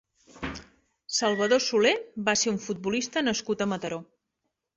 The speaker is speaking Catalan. Salvador Soler va ser un futbolista nascut a Mataró.